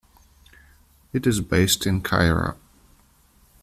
It is based in Cairo.